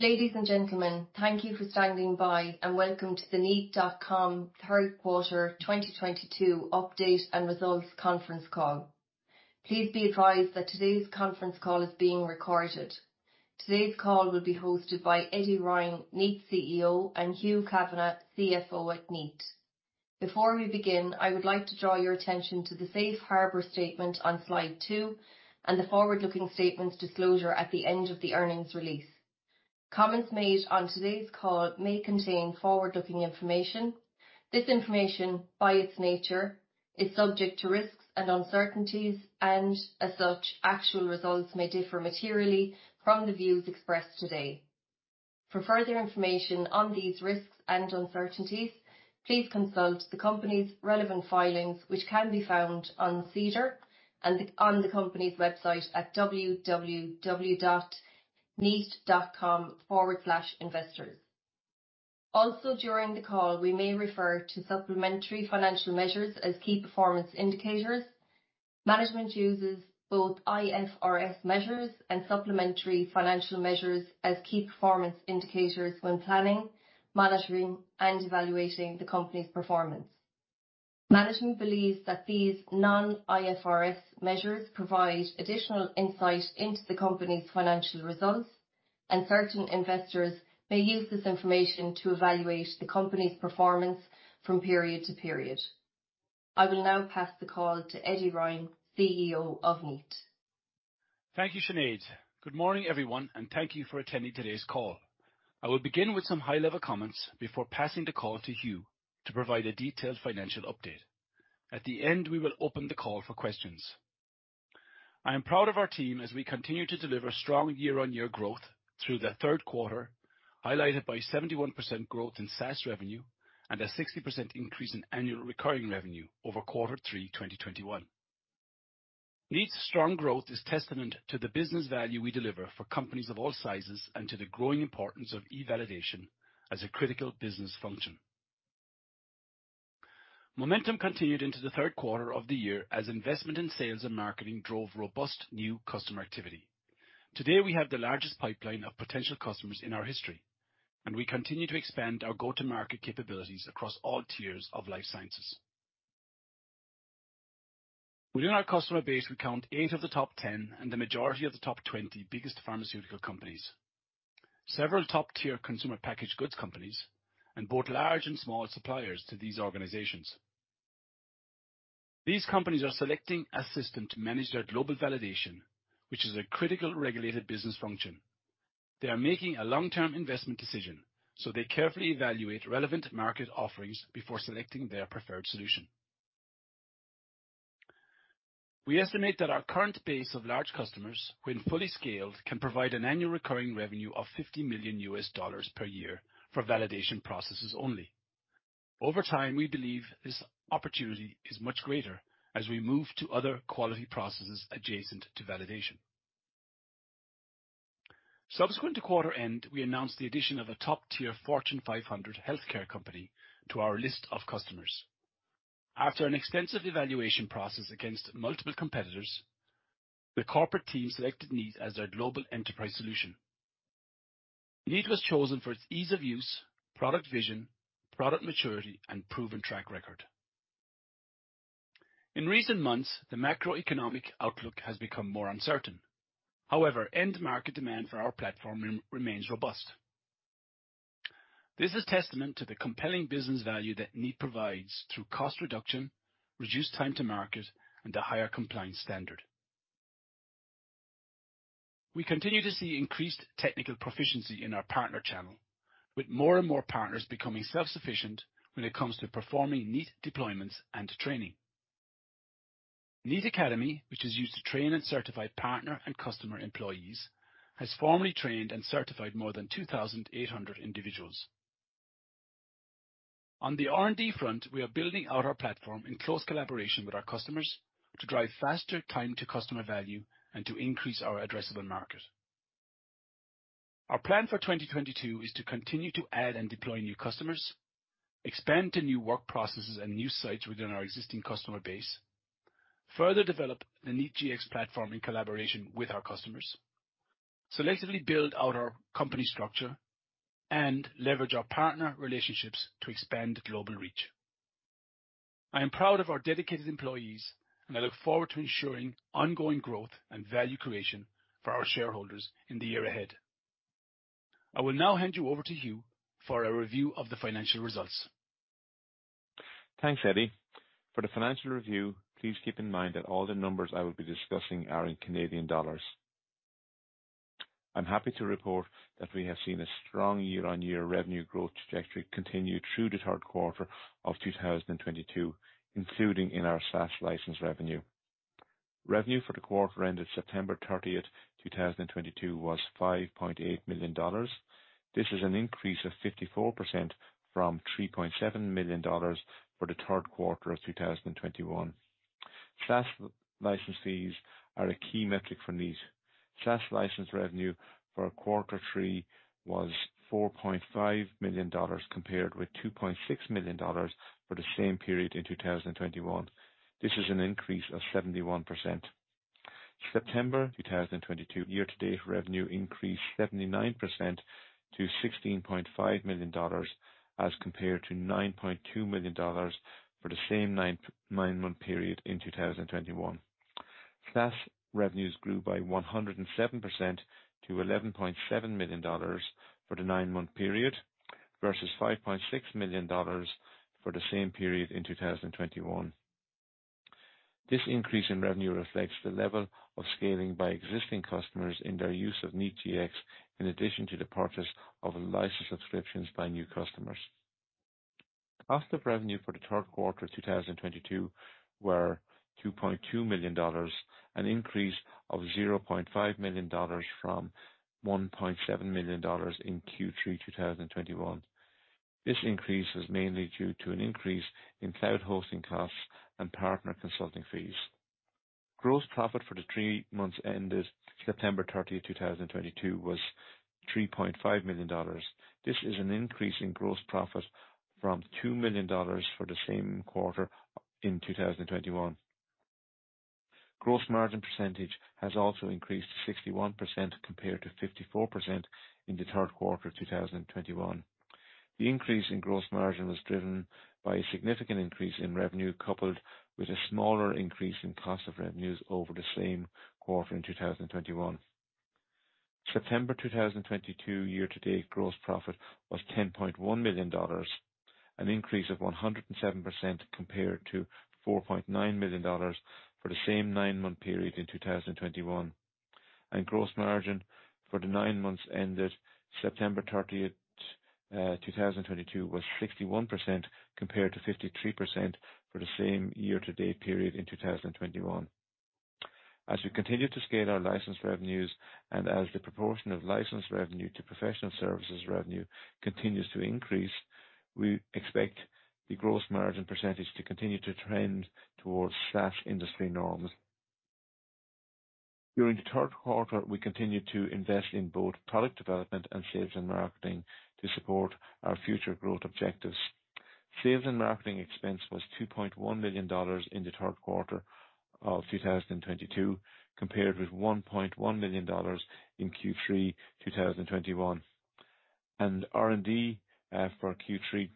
Ladies and gentlemen, thank you for standing by, and welcome to the Kneat.com third quarter 2022 update and results conference call. Please be advised that today's conference call is being recorded. Today's call will be hosted by Eddie Ryan, Kneat CEO, and Hugh Kavanagh, CFO at Kneat. Before we begin, I would like to draw your attention to the safe harbor statement on slide 2 and the forward-looking statements disclosure at the end of the earnings release. Comments made on today's call may contain forward-looking information. This information, by its nature, is subject to risks and uncertainties, and as such, actual results may differ materially from the views expressed today. For further information on these risks and uncertainties, please consult the company's relevant filings, which can be found on SEDAR and on the company's website at www.kneat.com/investors. During the call, we may refer to supplementary financial measures as key performance indicators. Management uses both IFRS measures and supplementary financial measures as key performance indicators when planning, monitoring, and evaluating the company's performance. Management believes that these non-IFRS measures provide additional insight into the company's financial results, and certain investors may use this information to evaluate the company's performance from period to period. I will now pass the call to Eddie Ryan, CEO of Kneat. Thank you, Sinead. Good morning, everyone, and thank you for attending today's call. I will begin with some high-level comments before passing the call to Hugh to provide a detailed financial update. At the end, we will open the call for questions. I am proud of our team as we continue to deliver strong year-on-year growth through the third quarter, highlighted by 71% growth in SaaS revenue and a 60% increase in annual recurring revenue over quarter three, 2021. Kneat's strong growth is testament to the business value we deliver for companies of all sizes and to the growing importance of eValidation as a critical business function. Momentum continued into the third quarter of the year as investment in sales and marketing drove robust new customer activity. Today, we have the largest pipeline of potential customers in our history, and we continue to expand our go-to-market capabilities across all tiers of life sciences. Within our customer base, we count eight of the top 10 and the majority of the top 20 biggest pharmaceutical companies, several top-tier consumer packaged goods companies, and both large and small suppliers to these organizations. These companies are selecting a system to manage their global validation, which is a critical regulated business function. They are making a long-term investment decision, so they carefully evaluate relevant market offerings before selecting their preferred solution. We estimate that our current base of large customers, when fully scaled, can provide an annual recurring revenue of $50 million per year for validation processes only. Over time, we believe this opportunity is much greater as we move to other quality processes adjacent to validation. Subsequent to quarter end, we announced the addition of a top-tier Fortune 500 healthcare company to our list of customers. After an extensive evaluation process against multiple competitors, the corporate team selected Kneat as their global enterprise solution. Kneat was chosen for its ease of use, product vision, product maturity, and proven track record. In recent months, the macroeconomic outlook has become more uncertain. However, end market demand for our platform remains robust. This is testament to the compelling business value that Kneat provides through cost reduction, reduced time to market, and a higher compliance standard. We continue to see increased technical proficiency in our partner channel, with more and more partners becoming self-sufficient when it comes to performing Kneat deployments and training. Kneat Academy, which is used to train and certify partner and customer employees, has formally trained and certified more than 2,800 individuals. On the R&D front, we are building out our platform in close collaboration with our customers to drive faster time to customer value and to increase our addressable market. Our plan for 2022 is to continue to add and deploy new customers, expand to new work processes and new sites within our existing customer base, further develop the Kneat Gx platform in collaboration with our customers, selectively build out our company structure, and leverage our partner relationships to expand global reach. I am proud of our dedicated employees, and I look forward to ensuring ongoing growth and value creation for our shareholders in the year ahead. I will now hand you over to Hugh for a review of the financial results. Thanks, Eddie. For the financial review, please keep in mind that all the numbers I will be discussing are in Canadian dollars. I'm happy to report that we have seen a strong year-on-year revenue growth trajectory continue through the third quarter of 2022, including in our SaaS license revenue. Revenue for the quarter ended September 30, 2022 was 5.8 million dollars. This is an increase of 54% from 3.7 million dollars for the third quarter of 2021. SaaS license fees are a key metric for Kneat. SaaS license revenue for quarter three was 4.5 million dollars compared with 2.6 million dollars for the same period in 2021. This is an increase of 71%. September 2022 year-to-date revenue increased 79% to 16.5 million dollars, as compared to 9.2 million dollars for the same nine-month period in 2021. SaaS revenues grew by 107% to 11.7 million dollars for the nine-month period, versus 5.6 million dollars for the same period in 2021. This increase in revenue reflects the level of scaling by existing customers in their use of Kneat Gx, in addition to the purchase of license subscriptions by new customers. Cost of revenue for the third quarter 2022 were 2.2 million dollars, an increase of 0.5 million dollars from 1.7 million dollars in Q3 2021. This increase is mainly due to an increase in cloud hosting costs and partner consulting fees. Gross profit for the three months ended September 30, 2022 was 3.5 million dollars. This is an increase in gross profit from 2 million dollars for the same quarter in 2021. Gross margin percentage has also increased to 61%, compared to 54% in the third quarter of 2021. The increase in gross margin was driven by a significant increase in revenue, coupled with a smaller increase in cost of revenues over the same quarter in 2021. September 2022 year-to-date gross profit was 10.1 million dollars, an increase of 107% compared to 4.9 million dollars for the same nine-month period in 2021. Gross margin for the nine months ended September 30, 2022 was 61% compared to 53% for the same year-to-date period in 2021. As we continue to scale our licensed revenues and as the proportion of licensed revenue to professional services revenue continues to increase, we expect the gross margin percentage to continue to trend towards SaaS industry norms. During the third quarter, we continued to invest in both product development and sales and marketing to support our future growth objectives. Sales and marketing expense was 2.1 million dollars in the third quarter of 2022, compared with 1.1 million dollars in Q3 2021. R&D for Q3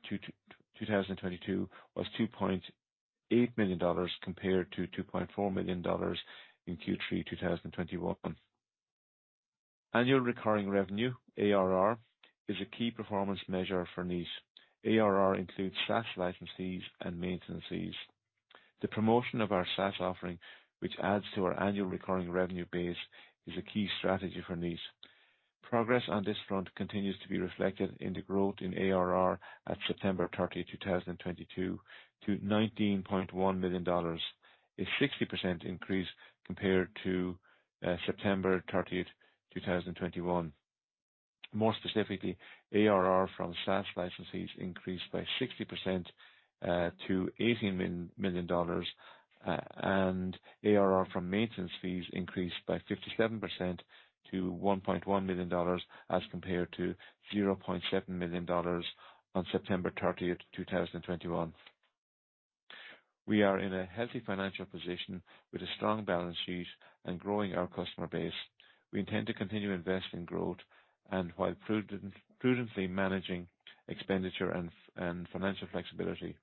2022 was 2.8 million dollars compared to 2.4 million dollars in Q3 2021. Annual recurring revenue, ARR, is a key performance measure for Kneat. ARR includes SaaS license fees and maintenance fees. The promotion of our SaaS offering, which adds to our annual recurring revenue base, is a key strategy for Kneat. Progress on this front continues to be reflected in the growth in ARR at September 30, 2022 to 19.1 million dollars, a 60% increase compared to September 30, 2021. More specifically, ARR from SaaS licenses increased by 60% to 18 million dollars, and ARR from maintenance fees increased by 57% to 1.1 million dollars, as compared to 0.7 million dollars on September 30th, 2021. We are in a healthy financial position with a strong balance sheet and growing our customer base. We intend to continue to invest in growth and while prudently managing expenditure and financial flexibility.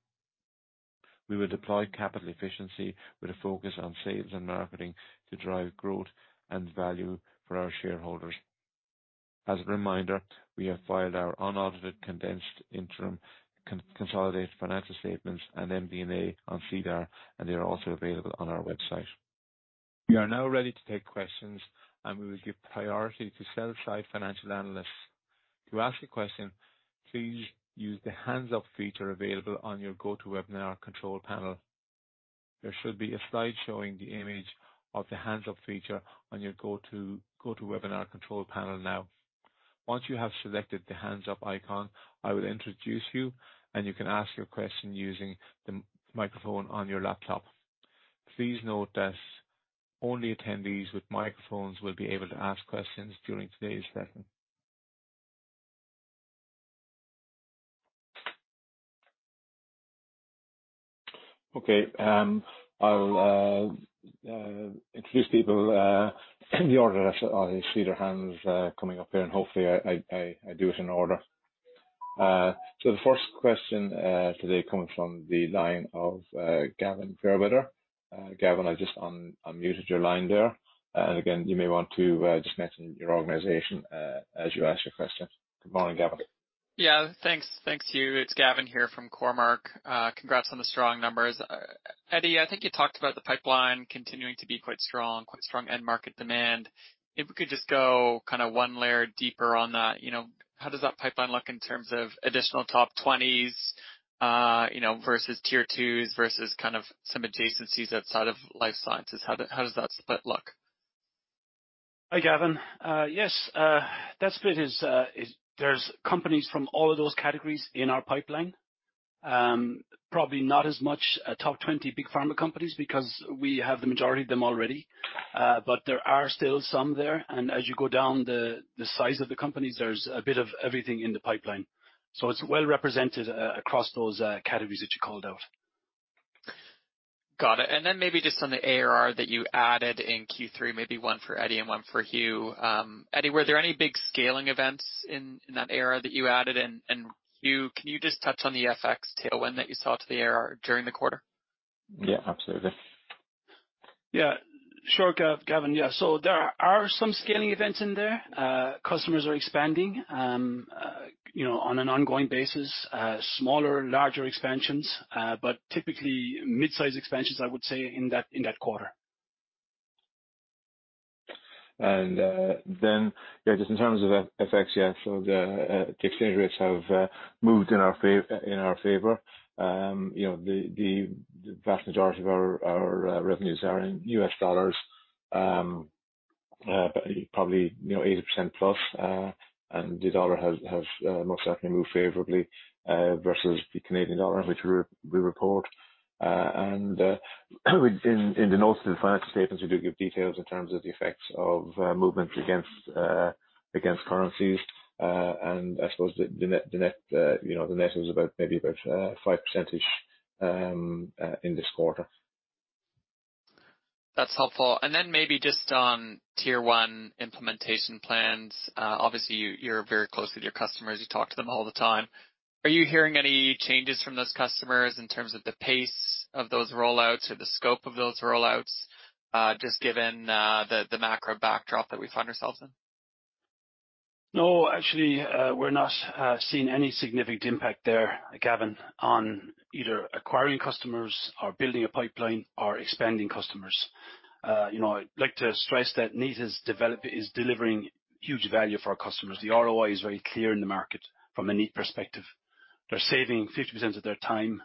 We will deploy capital efficiency with a focus on sales and marketing to drive growth and value for our shareholders. As a reminder, we have filed our unaudited condensed interim consolidated financial statements and MD&A on SEDAR, and they are also available on our website. We are now ready to take questions, and we will give priority to sell-side financial analysts. To ask a question, please use the Hands Up feature available on your GoToWebinar control panel. There should be a slide showing the image of the Hands Up feature on your GoToWebinar control panel now. Once you have selected the Hands Up icon, I will introduce you, and you can ask your question using the microphone on your laptop. Please note that only attendees with microphones will be able to ask questions during today's session. Okay, I'll introduce people in the order that I see their hands coming up here, and hopefully I do it in order. The first question today coming from the line of Gavin Fairweather. Gavin, I just unmuted your line there. Again, you may want to just mention your organization as you ask your question. Good morning, Gavin. Yeah. Thanks. Thanks, Hugh. It's Gavin here from Cormark. Congrats on the strong numbers. Eddie, I think you talked about the pipeline continuing to be quite strong end market demand. If we could just go kinda one layer deeper on that, you know, how does that pipeline look in terms of additional top 20s, you know, versus tier twos versus kind of some adjacencies outside of life sciences? How does that split look? Hi, Gavin. Yes, that split, there's companies from all of those categories in our pipeline. Probably not as much top 20 big pharma companies because we have the majority of them already. But there are still some there, and as you go down the size of the companies, there's a bit of everything in the pipeline. It's well represented across those categories that you called out. Got it. Then maybe just on the ARR that you added in Q3, maybe one for Eddie and one for Hugh. Eddie, were there any big scaling events in that era that you added? Hugh, can you just touch on the FX tailwind that you saw to the ARR during the quarter? Yeah, absolutely. Sure, Gavin. There are some scaling events in there. Customers are expanding, you know, on an ongoing basis, smaller, larger expansions, but typically mid-size expansions, I would say, in that quarter. Just in terms of FX, the exchange rates have moved in our favor. You know, the vast majority of our revenues are in U.S. dollars, probably, you know, 80%+, and the dollar has most certainly moved favorably versus the Canadian dollar, which we report. In the notes to the financial statements, we do give details in terms of the effects of movements against currencies. I suppose the net is about maybe 5% in this quarter. That's helpful. Maybe just on Tier 1 implementation plans. Obviously you're very close with your customers. You talk to them all the time. Are you hearing any changes from those customers in terms of the pace of those rollouts or the scope of those rollouts, just given the macro backdrop that we find ourselves in? No, actually, we're not seeing any significant impact there, Gavin, on either acquiring customers or building a pipeline or expanding customers. You know, I'd like to stress that Kneat is delivering huge value for our customers. The ROI is very clear in the market from a Kneat perspective. They're saving 50% of their time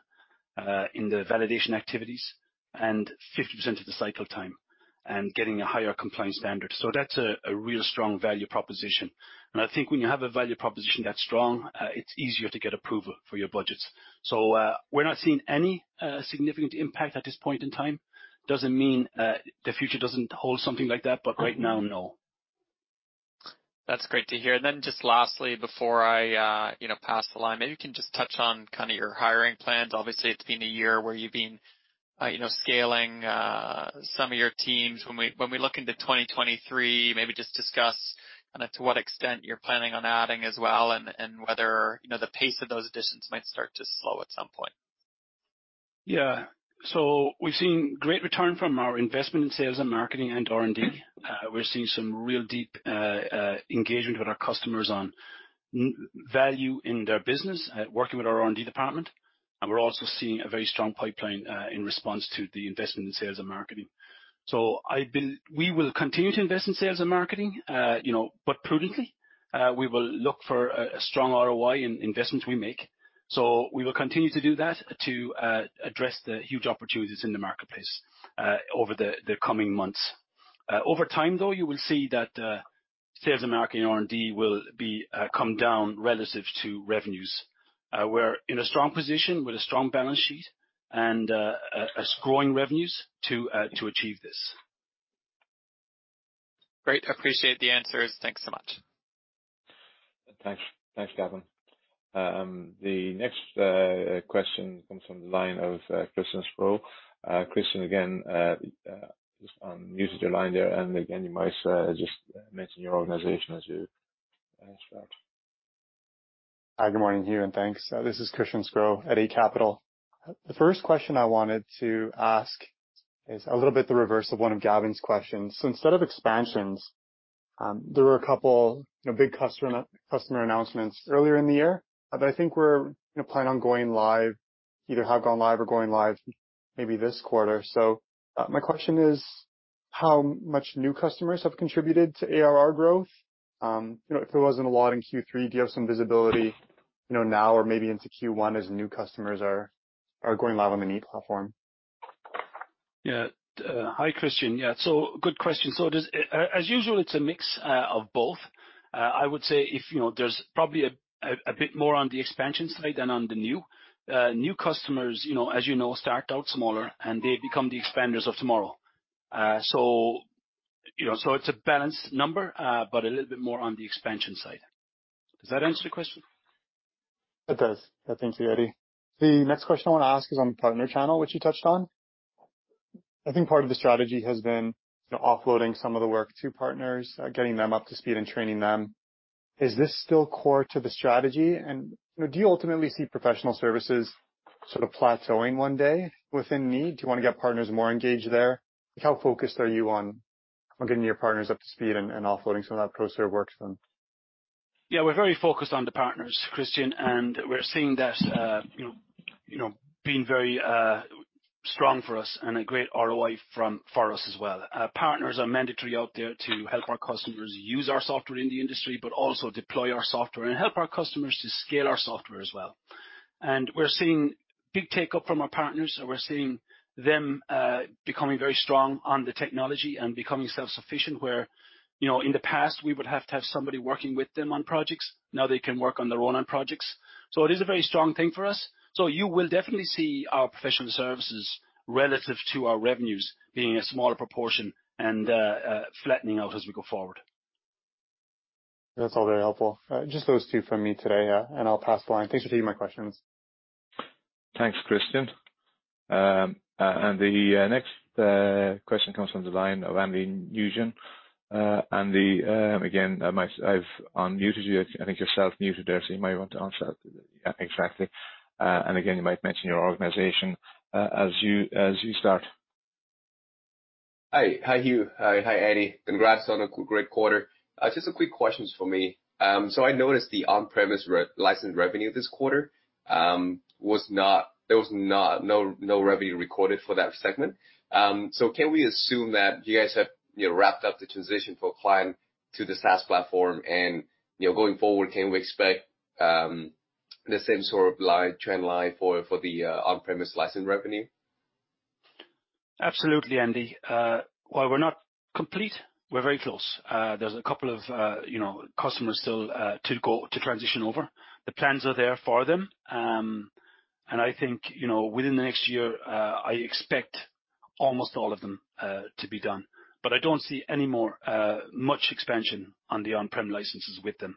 in the validation activities and 50% of the cycle time and getting a higher compliance standard. That's a real strong value proposition. I think when you have a value proposition that strong, it's easier to get approval for your budgets. We're not seeing any significant impact at this point in time. Doesn't mean the future doesn't hold something like that, but right now, no. That's great to hear. Then just lastly, before I, you know, pass the line, maybe you can just touch on kinda your hiring plans. Obviously, it's been a year where you've been, you know, scaling some of your teams. When we look into 2023, maybe just discuss kinda to what extent you're planning on adding as well, and whether, you know, the pace of those additions might start to slow at some point. Yeah. We've seen great return from our investment in sales and marketing and R&D. We're seeing some real deep engagement with our customers on net value in their business, working with our R&D department. We're also seeing a very strong pipeline in response to the investment in sales and marketing. We will continue to invest in sales and marketing, you know, but prudently. We will look for a strong ROI in investments we make. We will continue to do that to address the huge opportunities in the marketplace over the coming months. Over time, though, you will see that sales and marketing, R&D will come down relative to revenues. We're in a strong position with a strong balance sheet and a growing revenues to achieve this. Great. Appreciate the answers. Thanks so much. Thanks. Thanks, Gavin. The next question comes from the line of Christian Sgro. Christian, again, just muted your line there. Again, you might just mention your organization as you ask that. Hi, good morning, Hugh, and thanks. This is Christian Sgro at Eight Capital. The first question I wanted to ask is a little bit the reverse of one of Gavin's questions. Instead of expansions, there were a couple, you know, big customer announcements earlier in the year that I think we're gonna plan on going live either have gone live or going live maybe this quarter. My question is how much new customers have contributed to ARR growth. You know, if it wasn't a lot in Q3, do you have some visibility, you know, now or maybe into Q1 as new customers are going live on the Kneat platform? Yeah. Hi, Christian. Yeah. Good question. There's, as usual, it's a mix of both. I would say, you know, there's probably a bit more on the expansion side than on the new. New customers, you know, start out smaller, and they become the expanders of tomorrow. You know, it's a balanced number, but a little bit more on the expansion side. Does that answer your question? It does. Yeah. Thanks, Eddie. The next question I wanna ask is on the partner channel, which you touched on. I think part of the strategy has been offloading some of the work to partners, getting them up to speed and training them. Is this still core to the strategy? You know, do you ultimately see professional services sort of plateauing one day within Kneat? Do you wanna get partners more engaged there? How focused are you on getting your partners up to speed and offloading some of that prosumer work to them? Yeah, we're very focused on the partners, Christian, and we're seeing that, you know, being very strong for us and a great ROI for us as well. Partners are mandatory out there to help our customers use our software in the industry, but also deploy our software and help our customers to scale our software as well. We're seeing big take-up from our partners. We're seeing them becoming very strong on the technology and becoming self-sufficient, where, you know, in the past, we would have to have somebody working with them on projects. Now they can work on their own on projects. It is a very strong thing for us. You will definitely see our professional services relative to our revenues being a smaller proportion and flattening out as we go forward. That's all very helpful. Just those two from me today, and I'll pass the line. Thanks for taking my questions. Thanks, Christian. The next question comes from the line of Andy Nguyen. Andy, again, I've unmuted you. I think you're self-muted there, so you might want to unmute yourself. Yeah, exactly. Again, you might mention your organization as you start. Hi. Hi, Hugh. Hi, Eddie. Congrats on a great quarter. Just some quick questions for me. I noticed the on-premise re-licensed revenue this quarter was not. There was no revenue recorded for that segment. Can we assume that you guys have, you know, wrapped up the transition for client to the SaaS platform and, you know, going forward, can we expect the same sort of line, trend line for the on-premise license revenue? Absolutely, Andy. While we're not complete, we're very close. There's a couple of, you know, customers still to go to transition over. The plans are there for them. I think, you know, within the next year, I expect almost all of them to be done. I don't see any more, much expansion on the on-prem licenses with them.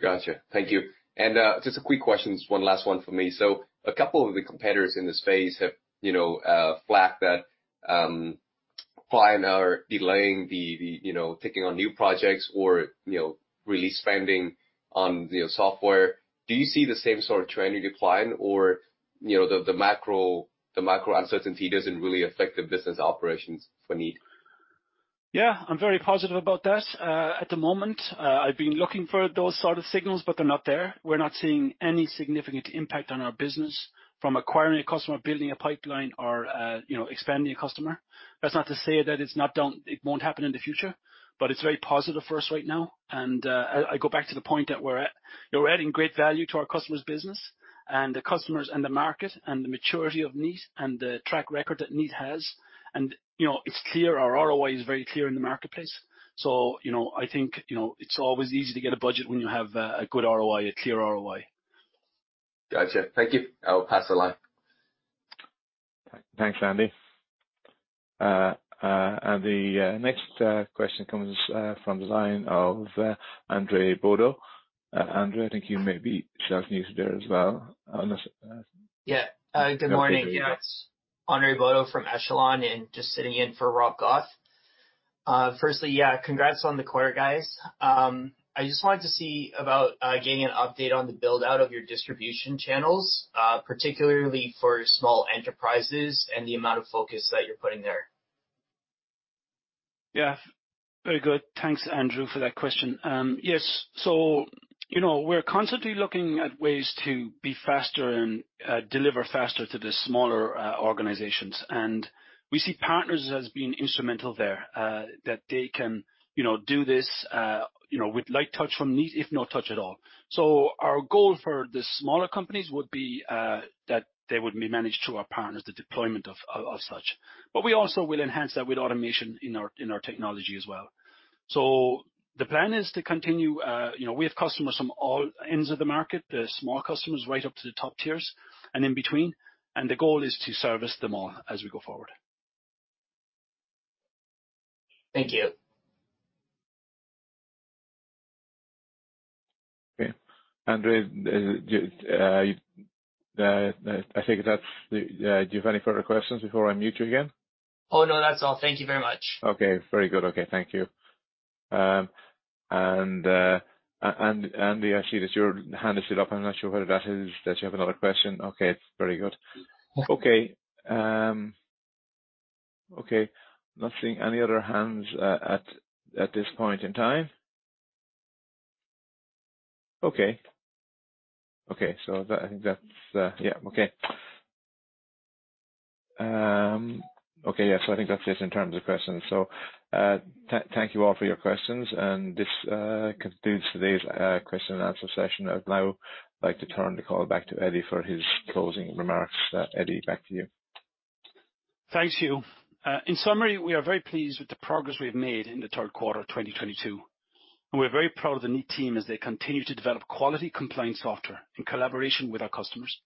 Gotcha. Thank you. Just some quick questions. One last one for me. A couple of the competitors in this space have, you know, flagged that clients are delaying the you know taking on new projects or, you know, really spending on, you know, software. Do you see the same sort of trend you're seeing or, you know, the macro uncertainty doesn't really affect the business operations for Kneat? Yeah, I'm very positive about that. At the moment, I've been looking for those sort of signals, but they're not there. We're not seeing any significant impact on our business from acquiring a customer, building a pipeline or expanding a customer. That's not to say that it won't happen in the future, but it's very positive for us right now. I go back to the point that we're at, you know, we're adding great value to our customers' business and the customers and the market and the maturity of Kneat and the track record that Kneat has. You know, it's clear, our ROI is very clear in the marketplace. You know, I think, you know, it's always easy to get a budget when you have a good ROI, a clear ROI. Gotcha. Thank you. I'll pass the line. Thanks, Andy. The next question comes from the line of Andre Bodo. Andre, I think you may be self-muted there as well. Good morning. It's Andre Bodo from Echelon, and just sitting in for Rob Goff. Firstly, congrats on the quarter, guys. I just wanted to see about getting an update on the build-out of your distribution channels, particularly for small enterprises and the amount of focus that you're putting there. Yeah. Very good. Thanks, Andre, for that question. Yes. You know, we're constantly looking at ways to be faster and deliver faster to the smaller organizations. We see partners as being instrumental there, that they can, you know, do this, you know, with light touch from Kneat, if no touch at all. Our goal for the smaller companies would be that they would be managed through our partners, the deployment of such. We also will enhance that with automation in our technology as well. The plan is to continue. You know, we have customers from all ends of the market, the small customers right up to the top tiers and in between, and the goal is to service them all as we go forward. Thank you. Okay. Andre, do you have any further questions before I mute you again? Oh, no, that's all. Thank you very much. Okay. Very good. Okay. Thank you. Andy, I see that your hand is still up. I'm not sure whether that is that you have another question. Okay. It's very good. Okay. Not seeing any other hands at this point in time. I think that's it in terms of questions. Thank you all for your questions, and this concludes today's question and answer session. I'd now like to turn the call back to Eddie for his closing remarks. Eddie, back to you. Thanks, Hugh. In summary, we are very pleased with the progress we have made in the third quarter of 2022, and we're very proud of the Kneat team as they continue to develop quality compliance software in collaboration with our customers.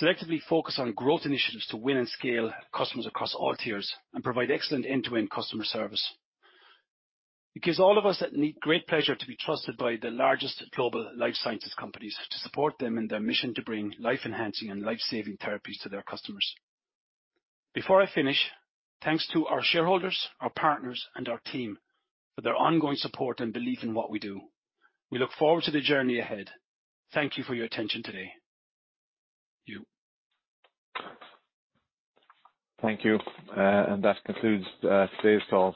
Selectively focus on growth initiatives to win and scale customers across all tiers and provide excellent end-to-end customer service. It gives all of us at Kneat great pleasure to be trusted by the largest global life sciences companies to support them in their mission to bring life-enhancing and life-saving therapies to their customers. Before I finish, thanks to our shareholders, our partners, and our team for their ongoing support and belief in what we do. We look forward to the journey ahead. Thank you for your attention today. Hugh. Thank you. That concludes today's call.